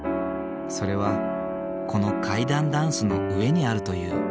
それはこの階段だんすの上にあるという。